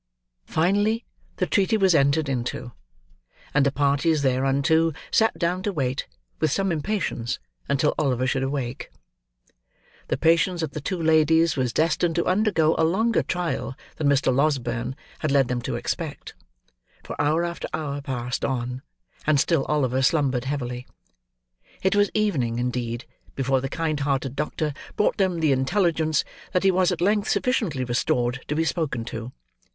Finally the treaty was entered into; and the parties thereunto sat down to wait, with some impatience, until Oliver should awake. The patience of the two ladies was destined to undergo a longer trial than Mr. Losberne had led them to expect; for hour after hour passed on, and still Oliver slumbered heavily. It was evening, indeed, before the kind hearted doctor brought them the intelligence, that he was at length sufficiently restored to be spoken to.